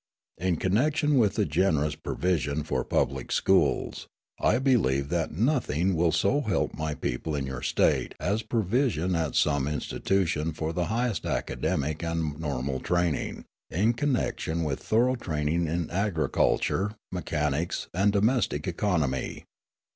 In connection with a generous provision for public schools, I believe that nothing will so help my own people in your State as provision at some institution for the highest academic and normal training, in connection with thorough training in agriculture, mechanics, and domestic economy.